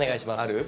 ある？